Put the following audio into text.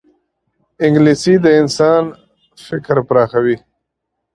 انګلیسي د انسان فکر پراخوي